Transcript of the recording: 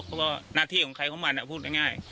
เพราะว่าหน้าที่ของใครของมันพูดง่าย